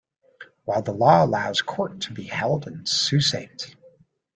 While the law allows court to be held in Sault Ste.